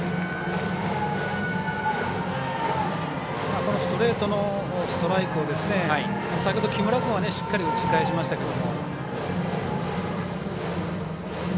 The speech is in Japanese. このストレートのストライクを先ほど木村君はしっかり打ち返しましたけど。